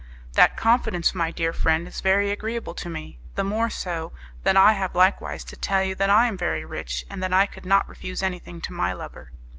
"That confidence, my dear friend, is very agreeable to me, the more so that I have likewise to tell you that I am very rich, and that I could not refuse anything to my lover."